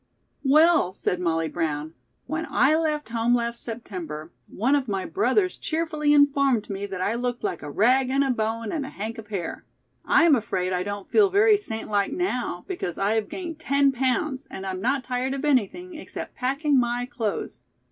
"Well," said Molly Brown, "when I left home last September, one of my brothers cheerfully informed me that I looked like 'a rag and a bone and a hank of hair.' I am afraid I don't feel very saint like now, because I have gained ten pounds, and I'm not tired of anything, except packing my clothes.